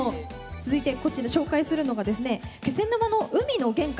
続いてこちら紹介するのがですね気仙沼の海の玄関